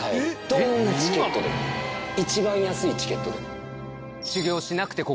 どんなチケットでも一番安いチケットでも。